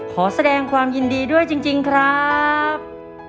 ขอแสดงความยินดีด้วยจริงครับ